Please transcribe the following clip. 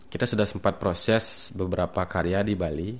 kita sudah sempat proses beberapa karya di bali